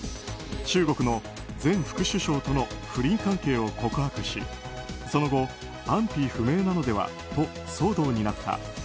中国の前副首相との不倫関係を告白しその後、安否不明なのではと騒動になった。